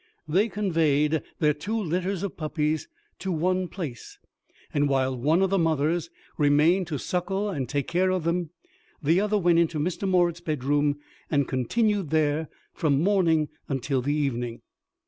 They conveyed their two litters of puppies to one place, and while one of the mothers remained to suckle and take care of them, the other went into Mr. Morritt's bedroom and continued there from morning until the evening.